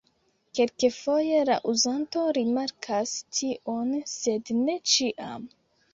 Kelkfoje la uzanto rimarkas tion sed ne ĉiam.